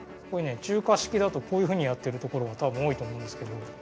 中華式だとこういうふうにやってるところがたぶん多いと思うんですけど。